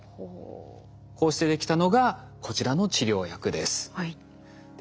こうしてできたのがこちらの治療薬です。